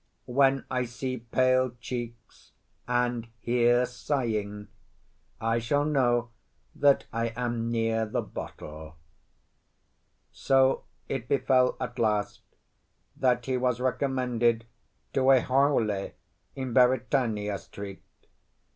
When I see pale cheeks and hear sighing, I shall know that I am near the bottle." So it befell at last that he was recommended to a Haole in Beritania Street.